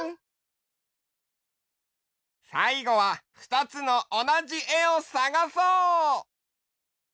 さいごはふたつのおなじえをさがそう！